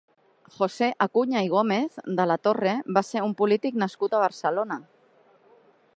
José Acuña i Gómez de la Torre va ser un polític nascut a Barcelona.